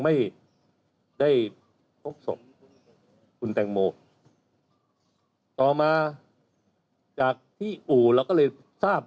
ไม่ได้พบศพคุณแตงโมต่อมาจากที่อู่เราก็เลยทราบ